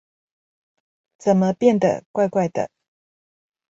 怎麼變得怪怪的